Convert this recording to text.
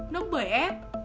nước bưởi ép